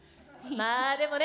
まあでもね